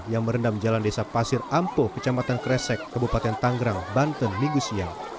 yang merendam jalan desa pasir ampo kecamatan kresek kebupaten tanggrang banten migusia